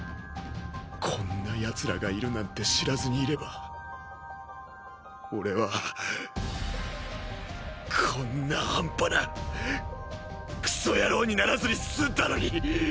こんな奴らがいるなんて知らずにいれば俺はこんな半端なクソ野郎にならずにすんだのに。